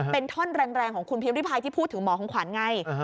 เป็นท่อนแรงของคุณพิมริพายที่พูดถึงหมอของขวัญไง